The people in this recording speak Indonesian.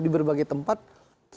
dan beritahu kalian ya